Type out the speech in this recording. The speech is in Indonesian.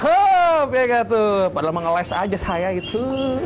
ho enggak tuh padahal mengeles aja saya itu